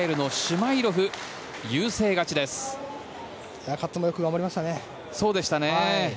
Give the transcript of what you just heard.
カッツもよく頑張りましたね。